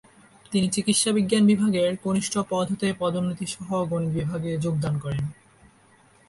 তিনি চিকিৎসাবিজ্ঞান বিভাগের কনিষ্ঠ পদ হতে পদোন্নতিসহ গণিত বিভাগে যোগদান করেন।